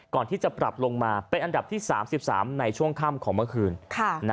ก่อนที่จะปรับลงมาเป็นอันดับที่๓๓ในช่วงค่ำของเมื่อคืน